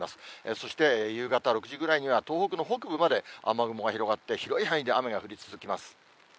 そして、夕方６時ぐらいには、東北の北部まで雨雲が広がって、広い範囲で雨が降り続きます。